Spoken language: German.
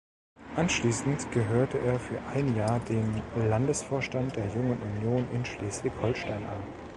Anschließend gehörte er für ein Jahr dem Landesvorstand der Jungen Union in Schleswig-Holstein an.